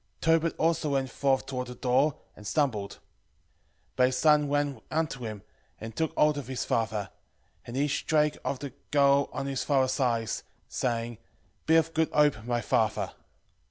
11:10 Tobit also went forth toward the door, and stumbled: but his son ran unto him, 11:11 And took hold of his father: and he strake of the gall on his fathers' eyes, saying, Be of good hope, my father.